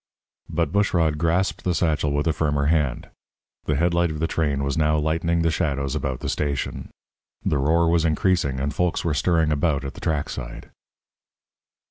But Bushrod grasped the satchel with a firmer hand. The headlight of the train was now lightening the shadows about the station. The roar was increasing, and folks were stirring about at the track side.